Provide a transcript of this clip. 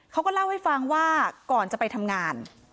เขาก็เล่าให้ฟังว่าก่อนจะไปทำงาน